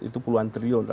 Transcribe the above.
itu puluhan triliun